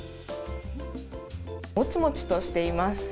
もちもちとしています。